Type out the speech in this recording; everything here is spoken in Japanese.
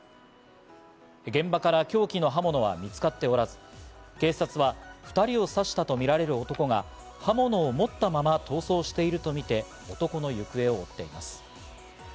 現場から凶器の刃物は見つかっておらず、警察は２人を刺したとみられる男が刃物を持ったまま逃走しているとみて男の行方を追っています。